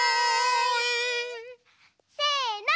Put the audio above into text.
せの。